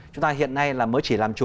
chúng ta hiện nay là mới chỉ làm chủ